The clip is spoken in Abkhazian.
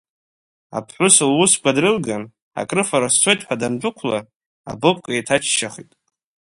Аԥҳәыс лусқәа дрылган, акрыфара сцоит ҳәа дандәықәла, абубка еиҭааччахит.